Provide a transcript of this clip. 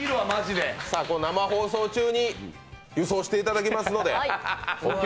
生放送中に輸送していただきますので。